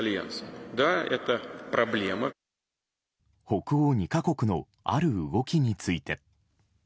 北欧２か国のある動きについて。